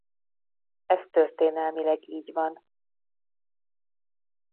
Ez történelmileg így van.